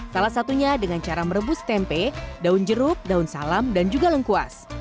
salah satunya dengan cara merebus tempe daun jeruk daun salam dan juga lengkuas